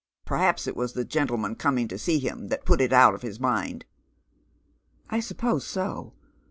Perhaps it was the gentleman coming to see him that put it out of his mind." " I suppose so.